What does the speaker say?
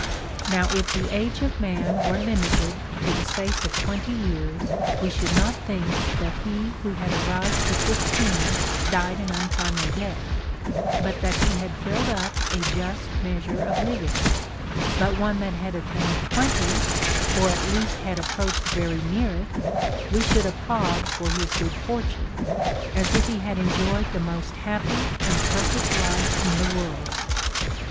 Now if the age of man Avere limited to the space of twenty years, we should not think that he who had arrived to fifteen died an untimely death, but that he had filled up a just measure of living ; but one that had attained twenty, or at least had approached very near it, Λνο should applaud for his good fortune, as if he had enjoyed the most happy and perfect life in the Avorld.